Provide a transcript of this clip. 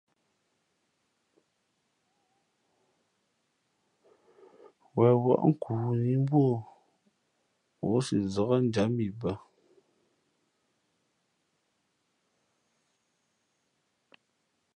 Wen wάʼ nkoo nǐ mbú o, ǒ si zák njǎm i bᾱ.